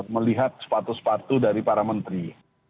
melihat sepatu sepatu dari para menteri